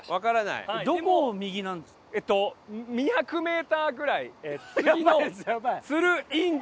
えっと２００メーターぐらい次の都留インター。